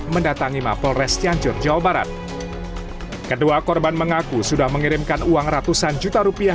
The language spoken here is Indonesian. mendatangi mapolres cianjur jawa barat kedua korban mengaku sudah mengirimkan uang ratusan juta rupiah